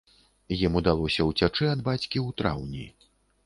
Ім удалося ўцячы ад бацькі ў траўні.